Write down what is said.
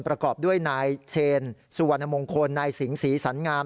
ประกอบด้วยนายเชนสุวรรณมงคลนายสิงศรีสันงาม